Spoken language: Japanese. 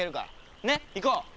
ねっ行こう。